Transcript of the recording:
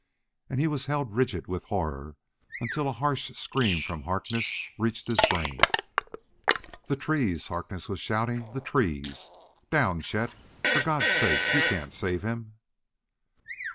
And he was held rigid with horror until a harsh scream from Harkness reached his brain. "The trees!" Harkness was shouting. "The trees! Down, Chet, for God's sake! You can't save him!"